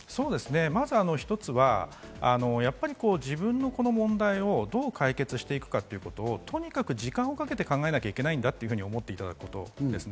まず一つは、自分のこの問題をどう解決していくかということをとにかく時間をかけて考えなければいけないんだと思っておくことです。